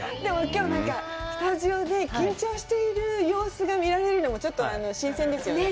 きょう、スタジオで緊張している様子が見られるのも、ちょっと新鮮ですよね。